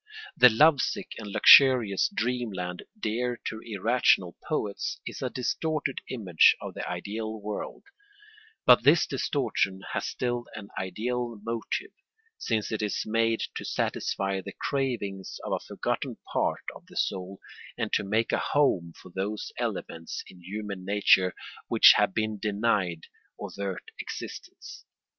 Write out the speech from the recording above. The love sick and luxurious dream land dear to irrational poets is a distorted image of the ideal world; but this distortion has still an ideal motive, since it is made to satisfy the cravings of a forgotten part of the soul and to make a home for those elements in human nature which have been denied overt existence.